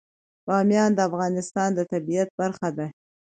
بامیان د افغانستان د طبیعت برخه ده.